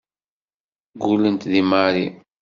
Ggullent deg Mary.